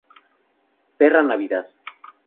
Perra Navidad